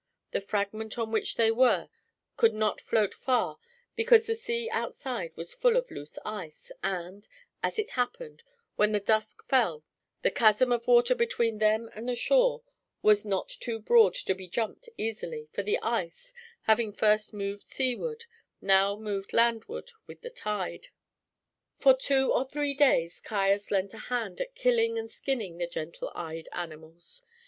The fragment on which they were could not float far because the sea outside was full of loose ice, and, as it happened, when the dusk fell the chasm of water between them and the shore was not too broad to be jumped easily, for the ice, having first moved seaward, now moved landward with the tide. For two or three days Caius lent a hand at killing and skinning the gentle eyed animals.